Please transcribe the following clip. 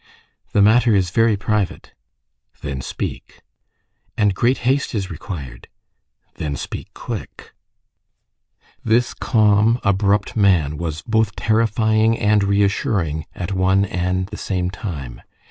"The matter is very private." "Then speak." "And great haste is required." "Then speak quick." This calm, abrupt man was both terrifying and reassuring at one and the same time.